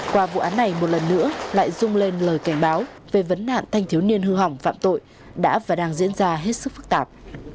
qua vụ án này một lần nữa lại rung lên lời cảnh báo về vấn nạn thanh thiếu niên hư hỏng phạm tội đã và đang diễn ra hết sức phức tạp